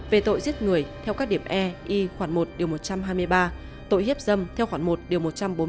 về tội giết người theo các điểm e i khoảng một điều một trăm hai mươi ba tội hiếp dâm theo khoảng một điều một trăm bốn mươi một